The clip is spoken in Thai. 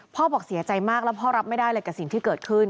บอกเสียใจมากแล้วพ่อรับไม่ได้เลยกับสิ่งที่เกิดขึ้น